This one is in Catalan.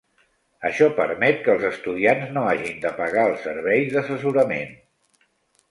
Això permet que els estudiants no hagin de pagar els serveis d'assessorament.